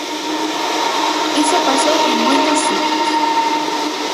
Iso pasou en moitos sitios.